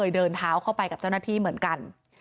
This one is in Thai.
เดินเท้า๑นึงเหมือนกัน